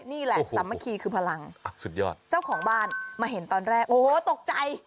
นี่แหละสามัคคีคือพลังสุดยอดเจ้าของบ้านมาเห็นตอนแรกโอ้โหตกใจ